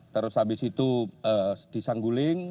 terus habis itu di sangguling